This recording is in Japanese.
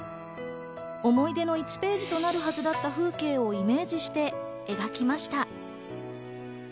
思い出の１ページとなるはずだった風景をイメージして描きました。